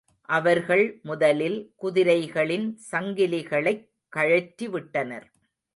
அவர்கள் முதலில் குதிரைகளின் சங்கிலிகளைக் கழற்றிவிட்டனர்.